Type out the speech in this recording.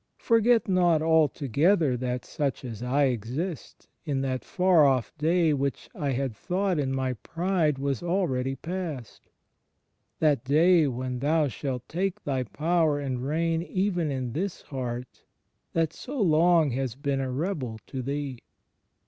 . forget not alto gether that such as I exist, in that far off day which CHRIST IN HIS HISTORICAL LIFE 12$ I had thought in my pride was aheady past, that day when Thou shalt take Thy power and reign even in this heart that so long has been a rebel to Thee.